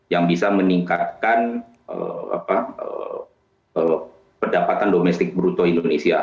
yang bisa meningkatkan pendapatan domestik bruto indonesia